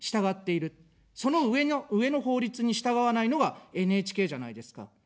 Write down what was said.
その上の、上の法律に従わないのはＮＨＫじゃないですか。